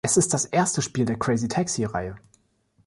Es ist das erste Spiel der "Crazy-Taxi"-Reihe.